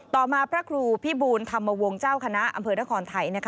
ต่อมาพระครูพิบูลธรรมวงศ์เจ้าคณะอำเภอนครไทย